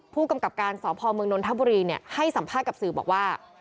ผู้กำกับการสพเมืองนนทบุรีให้สัมภาษณ์กับสื่อบอกว่า